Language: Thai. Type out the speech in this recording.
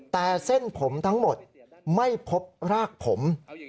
แต่เส้นผมทั้งหมดไม่พบรากผม